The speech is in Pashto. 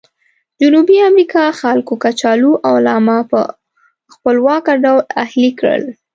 جنوبي امریکا خلکو کچالو او لاما په خپلواکه ډول اهلي کړل.